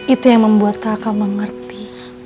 itu yang membuat kakak mengerti